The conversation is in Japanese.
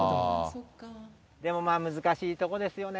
でもまあ、難しいところですよね。